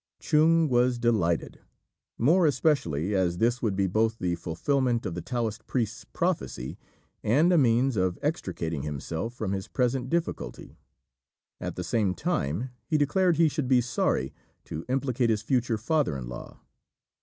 Chung was delighted, more especially as this would be both the fulfilment of the Taoist priest's prophecy, and a means of extricating himself from his present difficulty; at the same time, he declared he should be sorry to implicate his future father in law.